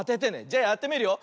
じゃやってみるよ。